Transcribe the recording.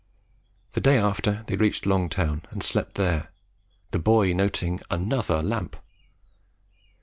The day after, they reached Longtown, and slept there; the boy noting ANOTHER lamp.